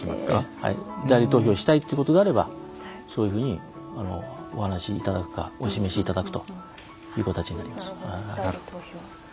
代理投票したいということであればそういうふうにお話しいただくかお示しいただくという形になります。